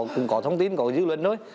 cũng có thông tin có dư luận thôi